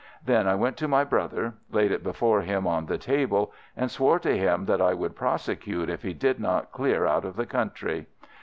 Then I went to my brother, laid it before him on the table, and swore to him that I would prosecute if he did not clear out of the country.